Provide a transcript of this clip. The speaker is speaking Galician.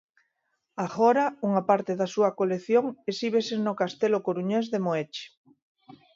Agora, unha parte da súa colección exhíbese no castelo coruñés de Moeche.